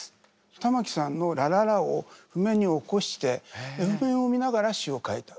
玉置さんの「ラララ」を譜面に起こして譜面を見ながら詞を書いた。